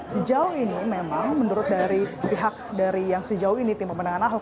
sejauh ini memang menurut dari pihak dari yang sejauh ini tim pemenangan ahok